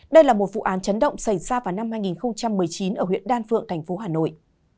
đây là một vụ án chấn động xảy ra vào năm hai nghìn một mươi chín ở huyện đan phượng thành phố hà nội